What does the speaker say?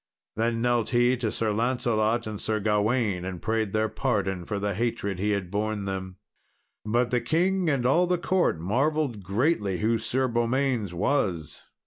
Then knelt he to Sir Lancelot and Sir Gawain, and prayed their pardon for the hatred he had borne them. But the king and all the court marvelled greatly who Sir Beaumains was.